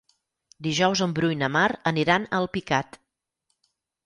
Dijous en Bru i na Mar aniran a Alpicat.